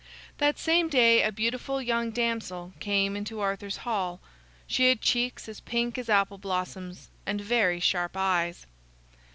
That same day a beautiful young damsel came into Arthur's hall. She had cheeks as pink as apple blossoms, and very sharp eyes.